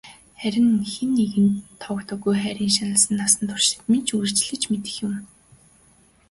Харин хэн нэгэнд тоогдоогүй хайрын шаналан насан туршид минь ч үргэлжилж мэдэх юм.